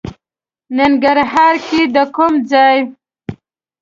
ننګرهار کې د کوم ځای؟